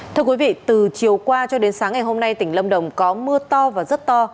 thưa quý vị từ chiều qua cho đến sáng ngày hôm nay tỉnh lâm đồng có mưa to và rất to